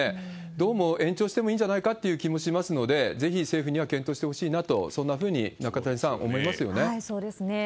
どうも延長してもいいんじゃないかという気もしますので、ぜひ政府には検討してほしいなと、そんなふうに、中谷さん、思いまそうですね。